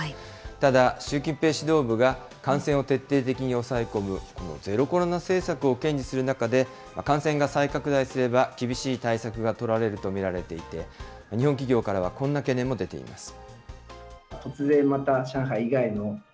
ただ、習近平指導部が感染を徹底的に抑え込む、ゼロコロナ政策を堅持する中で、感染が再拡大すれば厳しい対策が取られると見られていて、日本企業からはこんな懸念も出ています。